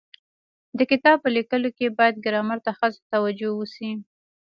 د کتاب په لیکلو کي باید ګرامر ته خاصه توجو وسي.